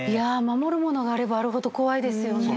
守るものがあればあるほど怖いですよね。